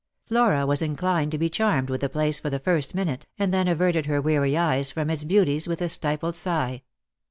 Flora was inclined to be charmed with the place for the first minute, and then averted hei weary eyes from its beauties with a stifled sigh.